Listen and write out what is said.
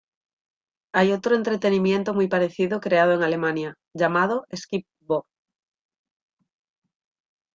Hay otro entretenimiento muy parecido creado en Alemania, llamado "Skip-Bo".